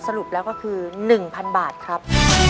สรุปแล้วก็คือ๑๐๐๐บาทครับ